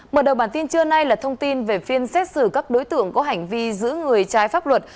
mở đầu bản tin trưa nay là thông tin về phiên xét xử các đối tượng có hành vi giữ người trái pháp luật